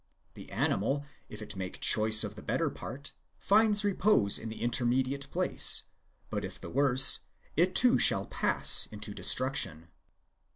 The animal, if it make choice of the better part, finds repose in the intermediate place ; but if the worse, it too shall pass into destruction.